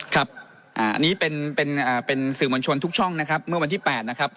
ครับอ่านี่เป็นเป็นอ่าเป็นสื่อมวลชนทุกช่องนะครับเมื่อวันที่แปดนะครับ